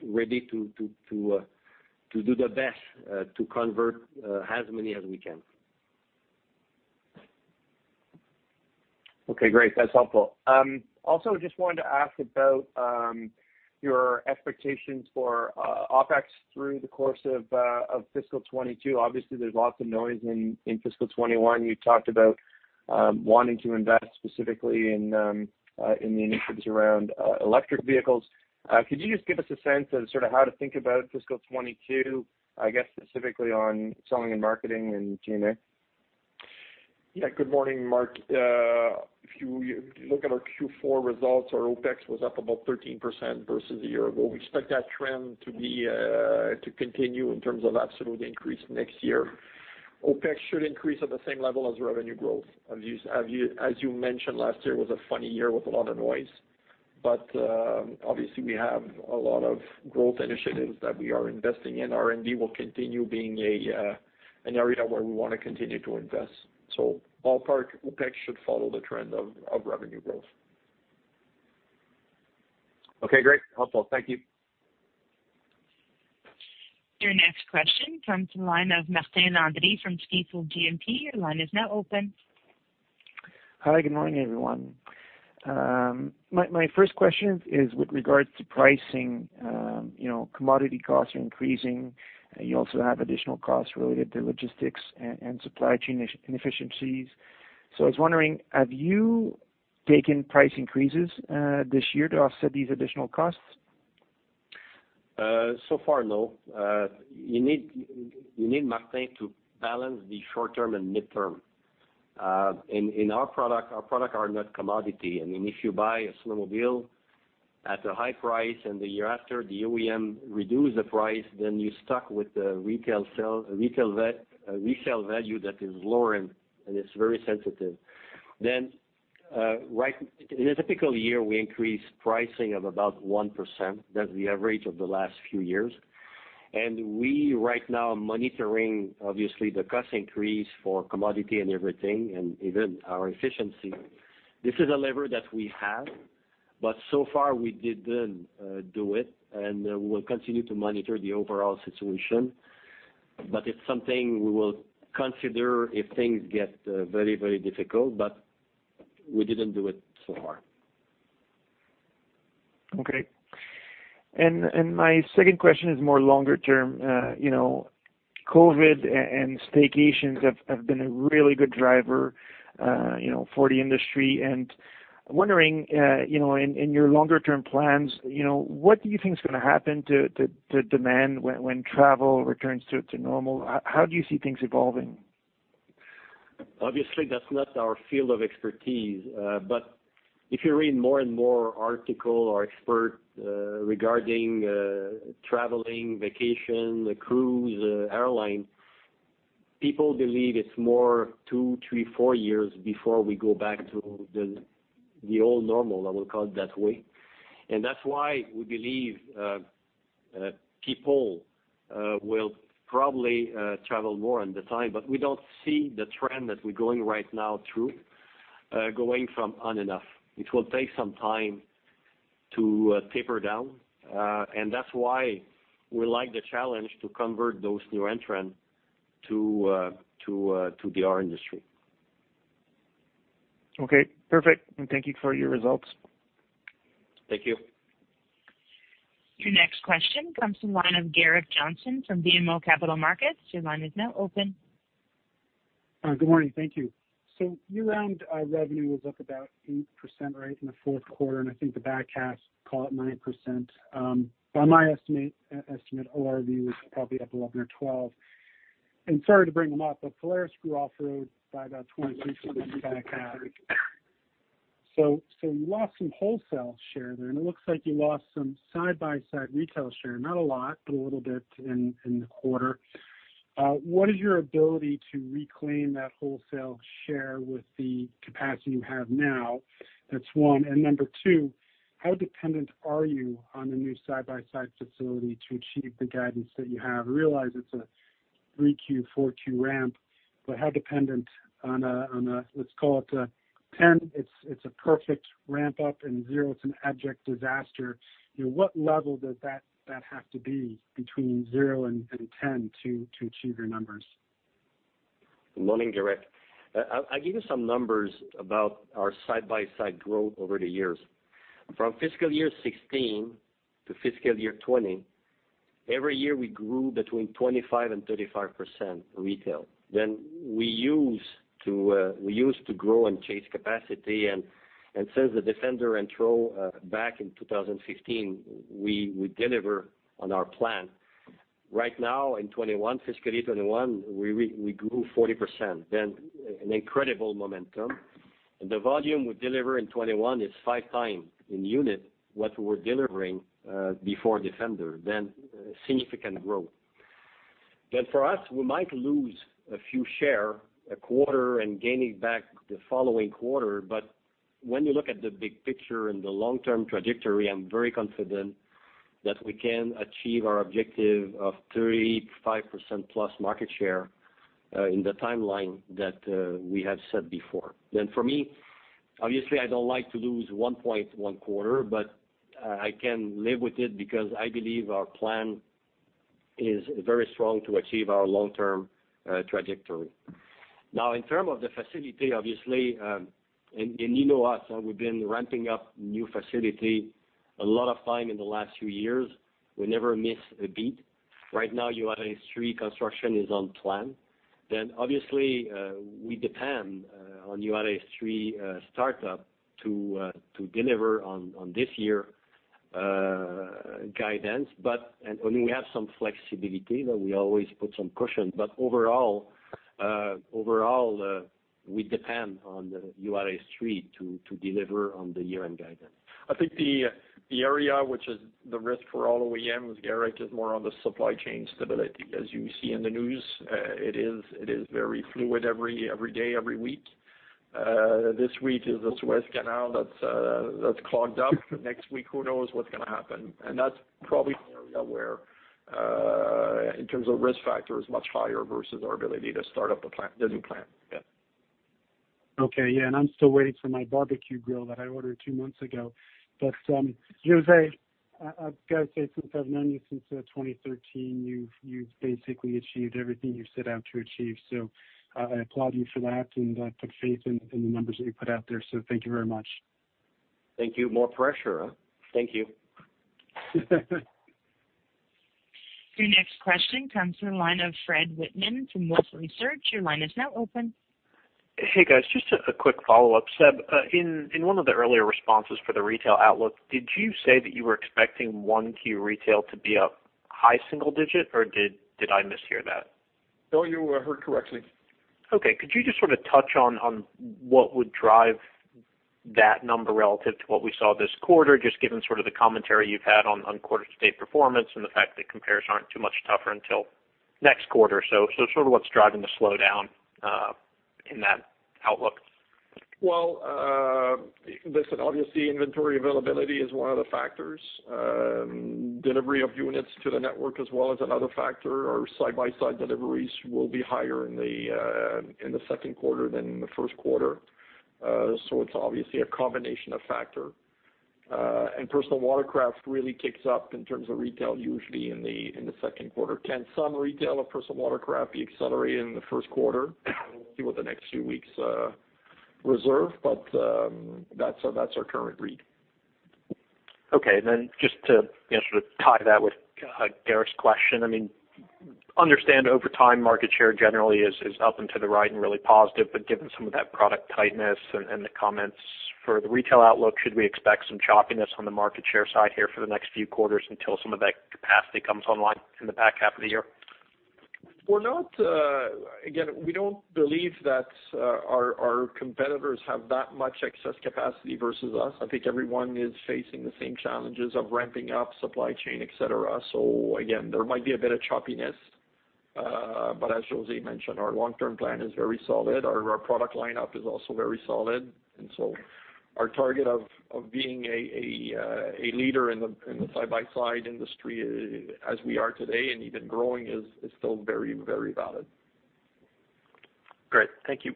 ready to do the best to convert as many as we can. Okay, great. That's helpful. Also, just wanted to ask about your expectations for OpEx through the course of fiscal 2022. Obviously, there's lots of noise in fiscal 2021. You talked about wanting to invest specifically in the initiatives around electric vehicles. Could you just give us a sense of sort of how to think about fiscal 2022, I guess specifically on selling and marketing and G&A? Yeah. Good morning, Mark. If you look at our Q4 results, our OpEx was up about 13% versus a year ago. We expect that trend to continue in terms of absolute increase next year. OpEx should increase at the same level as revenue growth. As you mentioned, last year was a funny year with a lot of noise, but obviously, we have a lot of growth initiatives that we are investing in. R&D will continue being an area where we want to continue to invest. Ballpark, OpEx should follow the trend of revenue growth. Okay, great. Helpful. Thank you. Your next question comes from the line of Martin Landry from Stifel GMP. Your line is now open. Hi, good morning, everyone. My first question is with regards to pricing. Commodity costs are increasing. You also have additional costs related to logistics and supply chain inefficiencies. I was wondering, have you taken price increases this year to offset these additional costs? So far, no. You need, Martin, to balance the short term and mid-term. In our product, our product are not commodity. If you buy a snowmobile at a high price and the year after the OEM reduce the price, then you're stuck with the resale value that is lower and it's very sensitive. In a typical year, we increase pricing of about 1%. That's the average of the last few years. We, right now, are monitoring, obviously, the cost increase for commodity and everything, and even our efficiency. This is a lever that we have, but so far we didn't do it, and we will continue to monitor the overall situation. It's something we will consider if things get very difficult, but we didn't do it so far. Okay. My second question is more longer term. COVID and staycations have been a really good driver for the industry, and wondering, in your longer term plans, what do you think is going to happen to demand when travel returns to normal? How do you see things evolving? Obviously, that's not our field of expertise. If you read more and more article or expert regarding traveling, vacation, cruise, airline, people believe it's more two, three, four years before we go back to the old normal, I will call it that way. That's why we believe people will probably travel more in the meantime, but we don't see the trend that we're going right now through, going on and on. It will take some time to taper down. That's why we like the challenge to convert those new entrants to the industry. Okay, perfect. Thank you for your results. Thank you. Your next question comes from the line of Gerrick Johnson from BMO Capital Markets. Your line is now open. Good morning. Thank you. Year-end revenue was up about 8%, right, in the fourth quarter, and I think the back half, call it 9%. By my estimate, ORV was probably up 11% or 12%. Sorry to bring them up, but Polaris grew off-road by about 23% in the back half. You lost some wholesale share there, and it looks like you lost some side-by-side retail share. Not a lot, but a little bit in the quarter. What is your ability to reclaim that wholesale share with the capacity you have now? That's one. Number 2, how dependent are you on the new side-by-side facility to achieve the guidance that you have? I realize it's a 3Q, 4Q ramp, but how dependent on a, let's call it a 10, it's a perfect ramp-up, and 0, it's an abject disaster. What level does that have to be between zero and 10 to achieve your numbers? Good morning, Gerrick. I'll give you some numbers about our side-by-side growth over the years. From fiscal year 2016 to fiscal year 2020, every year, we grew between 25% and 35% retail. We used to grow and chase capacity, and since the Defender intro back in 2015, we deliver on our plan. Right now in fiscal year 2021, we grew 40%, then an incredible momentum. The volume we deliver in 2021 is five times in unit what we were delivering before Defender, then significant growth. For us, we might lose a few share a quarter and gaining back the following quarter, but when you look at the big picture and the long-term trajectory, I'm very confident that we can achieve our objective of 35%+ market share in the timeline that we have set before. For me, obviously, I don't like to lose 1.1 quarter, but I can live with it because I believe our plan is very strong to achieve our long-term trajectory. In terms of the facility, obviously, and you know us, we've been ramping up new facility a lot of time in the last few years. We never miss a beat. Right now, Juarez 3 construction is on plan. Obviously, we depend on Juarez 3 startup to deliver on this year's guidance. We have some flexibility that we always put some cushion. Overall, we depend on the Juarez 3 to deliver on the year-end guidance. I think the area which is the risk for all OEMs, Gerrick, is more on the supply chain stability. As you see in the news, it is very fluid every day, every week. This week is the Suez Canal that's clogged up. Next week, who knows what's going to happen. That's probably the area where, in terms of risk factor, is much higher versus our ability to start up the new plant. Yeah. Okay, yeah, I'm still waiting for my barbecue grill that I ordered two months ago. Jose, I've got to say, since I've known you since 2013, you've basically achieved everything you set out to achieve. I applaud you for that and put faith in the numbers that you put out there. Thank you very much. Thank you. More pressure, huh? Thank you. Your next question comes from the line of Fred Wightman from Wolfe Research. Your line is now open. Hey, guys, just a quick follow-up. Seb, in one of the earlier responses for the retail outlook, did you say that you were expecting 1Q retail to be up high single digit, or did I mishear that? No, you heard correctly. Okay. Could you just sort of touch on what would drive that number relative to what we saw this quarter, just given sort of the commentary you've had on quarter-to-date performance and the fact that compares aren't too much tougher until next quarter. Sort of what's driving the slowdown in that outlook? Well, listen, obviously, inventory availability is one of the factors. Delivery of units to the network as well is another factor. Our side-by-side deliveries will be higher in the second quarter than in the first quarter. It's obviously a combination of factor. Personal watercraft really kicks up in terms of retail, usually in the second quarter. Can some retail or personal watercraft be accelerated in the first quarter? We'll see what the next few weeks reserve. That's our current read. Okay, just to sort of tie that with Gerrick question, I mean, understand over time market share generally is up and to the right and really positive, given some of that product tightness and the comments for the retail outlook, should we expect some choppiness on the market share side here for the next few quarters until some of that capacity comes online in the back half of the year? We don't believe that our competitors have that much excess capacity versus us. I think everyone is facing the same challenges of ramping up supply chain, et cetera. Again, there might be a bit of choppiness. As José mentioned, our long term plan is very solid. Our product lineup is also very solid. Our target of being a leader in the side-by-side industry as we are today and even growing is still very, very valid. Great. Thank you.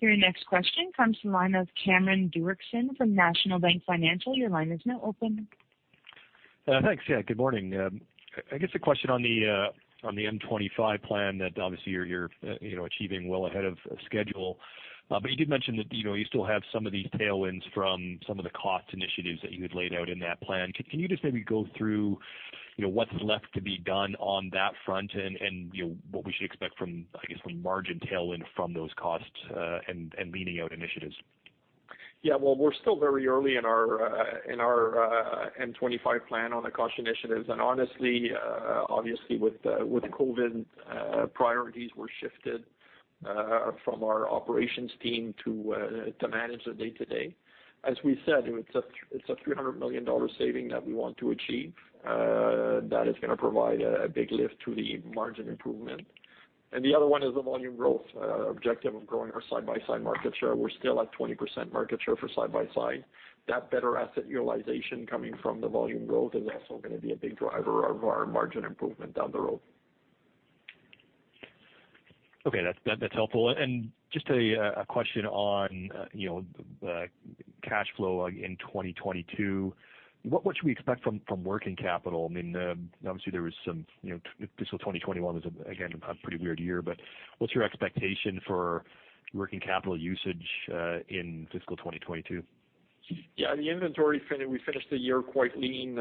Your next question comes from the line of Cameron Doerksen from National Bank Financial. Your line is now open. Thanks. Yeah, good morning. I guess a question on the M25 plan that obviously you are achieving well ahead of schedule. You did mention that you still have some of these tailwinds from some of the cost initiatives that you had laid out in that plan. Can you just maybe go through what is left to be done on that front and what we should expect from, I guess, the margin tailwind from those costs, and leaning out initiatives? Well, we're still very early in our M25 plan on the cost initiatives. Honestly, obviously with COVID, priorities were shifted from our operations team to manage the day to day. As we said, it's a 300 million dollar saving that we want to achieve. That is going to provide a big lift to the margin improvement. The other one is the volume growth objective of growing our side-by-side market share. We're still at 20% market share for side-by-side. That better asset utilization coming from the volume growth is also going to be a big driver of our margin improvement down the road. Okay. That's helpful. Just a question on the cash flow in 2022. What should we expect from working capital? I mean, fiscal 2021 was, again, a pretty weird year, but what's your expectation for working capital usage in fiscal 2022? Yeah. The inventory, we finished the year quite lean,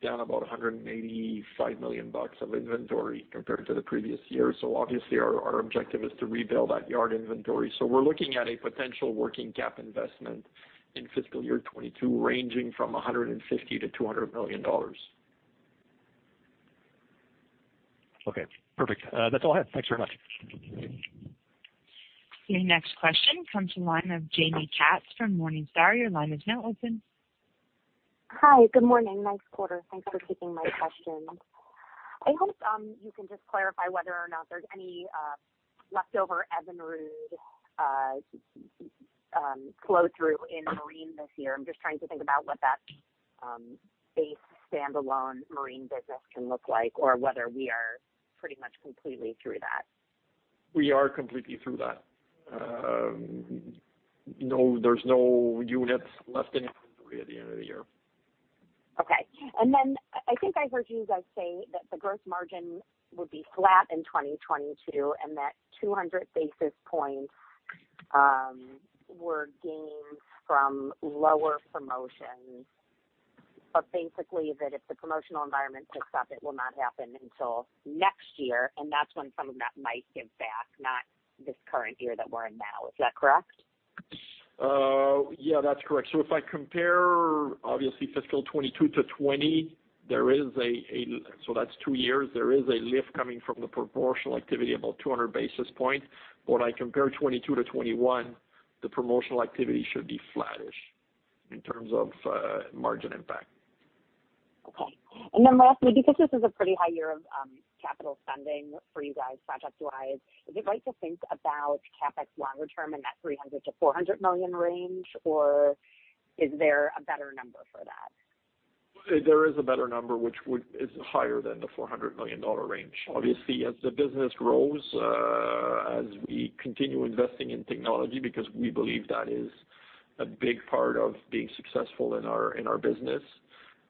down about 185 million bucks of inventory compared to the previous year. Obviously our objective is to rebuild that yard inventory. We're looking at a potential working cap investment in fiscal year 2022, ranging from 150 million-200 million dollars. Okay, perfect. That's all I have. Thanks very much. Your next question comes from the line of Jaime Katz from Morningstar. Your line is now open. Hi. Good morning. Nice quarter. Thanks for taking my questions. I hope you can just clarify whether or not there's any leftover Evinrude flow through in marine this year. I'm just trying to think about what that base standalone marine business can look like or whether we are pretty much completely through that. We are completely through that. There's no units left in inventory at the end of the year. Okay. I think I heard you guys say that the gross margin would be flat in 2022, and that 200 basis points were gained from lower promotions, but basically that if the promotional environment picks up, it will not happen until next year, and that's when some of that might give back, not this current year that we're in now. Is that correct? Yeah, that's correct. If I compare, obviously fiscal 2022 to 2020, that's two years, there is a lift coming from the promotional activity, about 200 basis points. When I compare 2022 to 2021, the promotional activity should be flattish in terms of margin impact. Okay. Lastly, because this is a pretty high year of capital spending for you guys project wise, is it right to think about CapEx longer term in that 300 million-400 million range, or is there a better number for that? There is a better number, which is higher than the 400 million dollar range. Obviously, as the business grows, as we continue investing in technology, because we believe that is a big part of being successful in our business,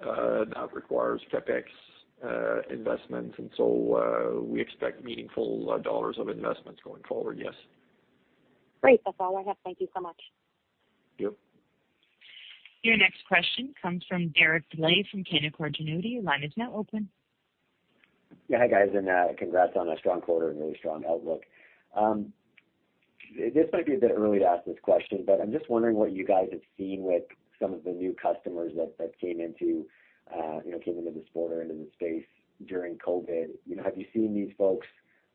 that requires CapEx investments. We expect meaningful dollars of investments going forward, yes. Great. That's all I have. Thank you so much. Yep. Your next question comes from Derek Dley from Canaccord Genuity. Your line is now open. Hi, guys, and congrats on a strong quarter and really strong outlook. This might be a bit early to ask this question, but I'm just wondering what you guys have seen with some of the new customers that came into this quarter into the space during COVID. Have you seen these folks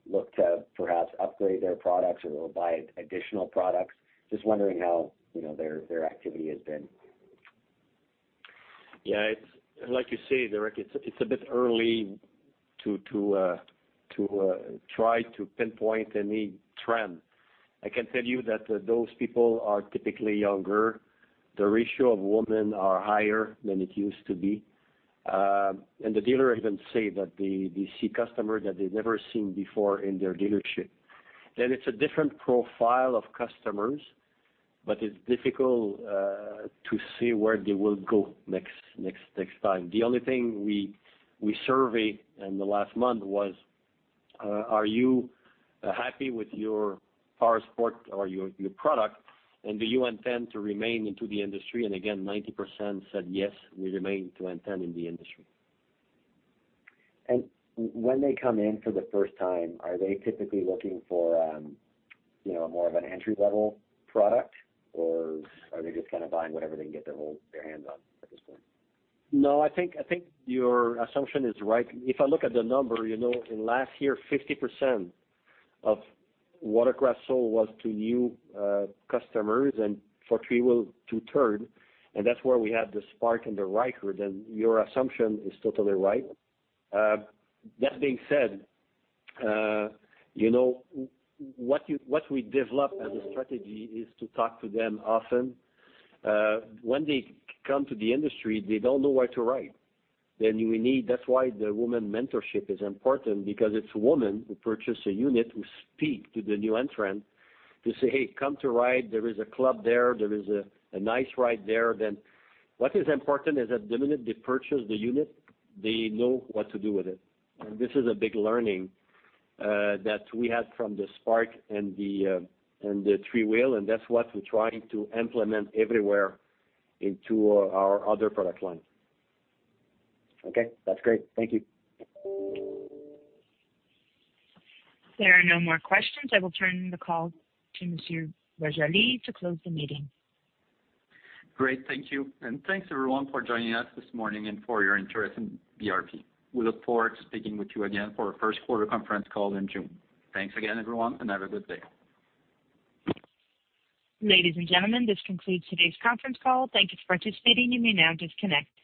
look to perhaps upgrade their products or buy additional products? Just wondering how their activity has been. Yeah. It's like you say, Derek, it's a bit early to try to pinpoint any trend. I can tell you that those people are typically younger. The ratio of women are higher than it used to be. The dealer even say that they see customers that they've never seen before in their dealership. It's a different profile of customers. It's difficult to see where they will go next time. The only thing we survey in the last month was, are you happy with your powersport or your product, and do you intend to remain into the industry? Again, 90% said, "Yes, we remain to intend in the industry. When they come in for the first time, are they typically looking for more of an entry-level product? Or are they just buying whatever they can get their hands on at this point? No, I think your assumption is right. If I look at the number, in last year, 50% of watercraft sold was to new customers, and for 3-wheel, two-thirds, and that's where we had the Spark and the Ryker, then your assumption is totally right. That being said, what we developed as a strategy is to talk to them often. When they come to the industry, they don't know where to ride. That's why the Women's Mentoring Program is important because it's a woman who purchased a unit who speaks to the new entrant to say, "Hey, come to ride. There is a club there. There is a nice ride there." What is important is that the minute they purchase the unit, they know what to do with it. This is a big learning that we had from the Spark and the three-wheel, and that's what we're trying to implement everywhere into our other product line. Okay. That's great. Thank you. There are no more questions. I will turn the call to Monsieur José Boisjoli to close the meeting. Great. Thank you. Thanks, everyone, for joining us this morning and for your interest in BRP. We look forward to speaking with you again for our first quarter conference call in June. Thanks again, everyone, have a good day. Ladies and gentlemen, this concludes today's conference call. Thank you for participating. You may now disconnect.